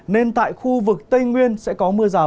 nên tại khu vực tây nguyên sẽ có mưa rào